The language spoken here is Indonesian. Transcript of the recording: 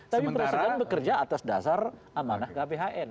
tapi presiden bekerja atas dasar amanah kphn